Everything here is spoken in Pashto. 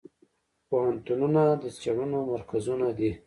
پوهنتونونه د څیړنو مرکزونه دي.